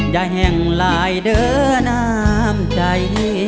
อย่าแห่งหลายเด้อน้ำใจ